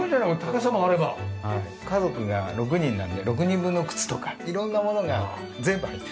家族が６人なので６人分の靴とか色んなものが全部入ってる。